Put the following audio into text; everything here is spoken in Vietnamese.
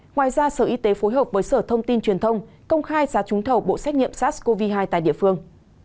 ngoài ra sở y tế phối hợp với sở thông tin truyền thông công khai giá trúng thầu bộ xét nghiệm sars cov hai tại địa phương